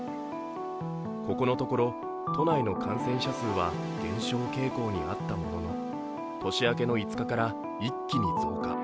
ここのところ、都内の感染者数は減少傾向にあったものの年明けの５日から一気に増加。